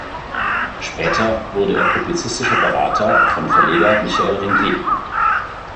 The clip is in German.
Später wurde er publizistischer Berater von Verleger Michael Ringier.